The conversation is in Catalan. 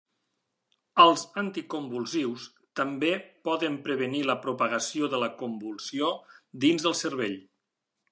Els anticonvulsius també prevenir la propagació de la convulsió dins el cervell.